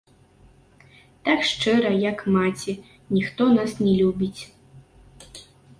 Так шчыра, як маці, ніхто нас не любіць.